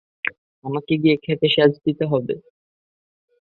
আমাকে গিয়ে ক্ষেতে সেচ দিতে হবে।